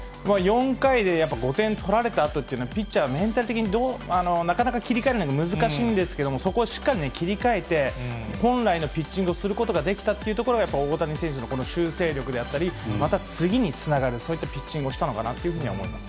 ４回でやっぱ５点取られたあとというのは、ピッチャー、メンタル的になかなか切り替えるの難しいんですけれども、そこをしっかり切り替えて、本来のピッチングをすることができたっていうところが、やっぱり大谷選手の修正力であったり、また次につながる、そういったピッチングをしたのかなというふうには思います。